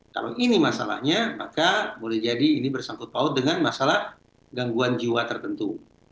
kalau ini masalahnya maka boleh jadi ini bersangkut paut dengan masalah gangguan jiwa tertentu